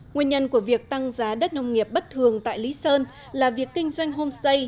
nguyên nhân của việc tăng giá đất nông nghiệp bất thường tại lý sơn là việc kinh doanh homestay